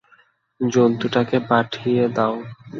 জন্তুটাকে পাঠিয়ে দাও।